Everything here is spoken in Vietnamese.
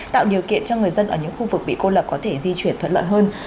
tạo điều kiện cho người dân ở những khu vực bị cô lập có thể di chuyển thuận lợi hơn